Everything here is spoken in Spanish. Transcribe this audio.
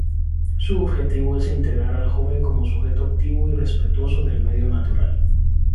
Su objetivo es integrar al joven como sujeto activo y respetuoso del medio natural.